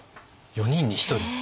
４人に１人？